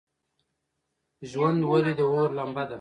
ژوند ولې د اور لمبه ده؟